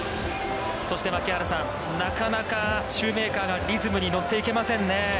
そして槙原さん、なかなかシューメーカーがリズムに乗っていけませんね。